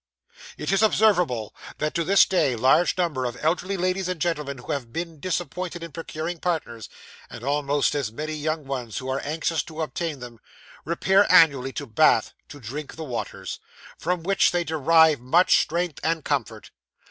'It is observable that, to this day, large numbers of elderly ladies and gentlemen who have been disappointed in procuring partners, and almost as many young ones who are anxious to obtain them, repair annually to Bath to drink the waters, from which they derive much strength and comfort.